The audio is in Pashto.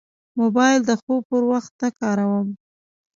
موبایل د خوب پر وخت نه کاروم.